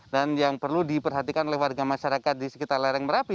yang perlu diperhatikan oleh warga masyarakat di sekitar lereng merapi